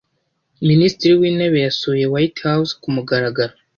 Minisitiri w’intebe yasuye White House ku mugaragaro.